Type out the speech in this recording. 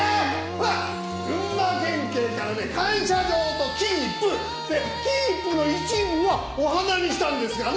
ほら群馬県警からね感謝状と金一封！で金一封の一部はお花にしたんですがね。